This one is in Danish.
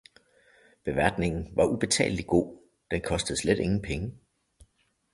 Beværtningen var ubetalelig god, den kostede slet ingen penge